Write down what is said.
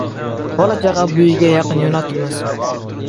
Bola-chaqa bu uyga yaqin yo‘latilmasin.